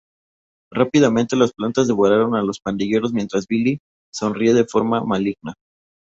Rápidamente las plantas devoran a los pandilleros mientras Billy sonríe de forma maligna.